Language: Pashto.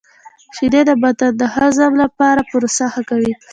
• شیدې د بدن د هضم کولو پروسه ښه کوي.